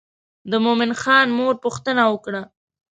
د مومن خان مور پوښتنه وکړه.